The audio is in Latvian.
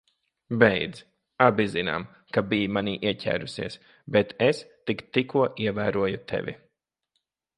Beidz. Abi zinām, ka biji manī ieķērusies, bet es tik tikko ievēroju tevi.